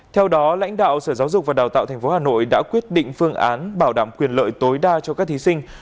theo đó lãnh đạo sở giáo dục và đào tạo tp hà nội đã quyết định phương án bảo đảm quyền lợi tối đa cho các thí sinh